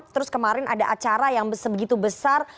terus kemarin ada acara yang sebegitu besar